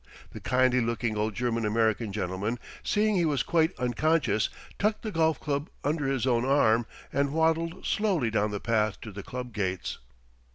The kindly looking old German American gentleman, seeing he was quite unconscious, tucked the golf cup under his own arm, and waddled slowly down the path to the club gates.